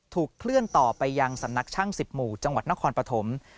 เคลื่อนต่อไปยังสำนักช่าง๑๐หมู่จังหวัดนครปฐม